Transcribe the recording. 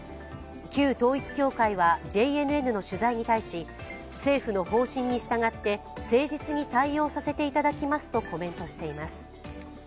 旧統一教会はＪＮＮの取材に対し政府の方針に従って誠実に対応させていただきますとコメントしています。